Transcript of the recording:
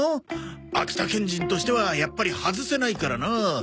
秋田県人としてはやっぱり外せないからな。